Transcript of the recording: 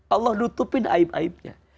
allah ditutupin aib aibnya